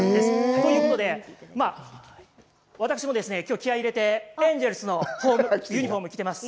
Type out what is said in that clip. ということで私もですね、きょう気合入れてエンジェルスのユニホーム着ています。